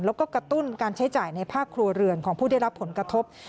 แล้วก็กระตุ้นการใช้จ่ายในภาคครัวเรือนของผู้ได้รับผลกระทบ